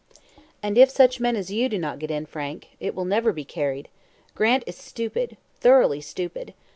"And if such men as you do not get in, Frank, it will never be carried. Grant is stupid thoroughly stupid.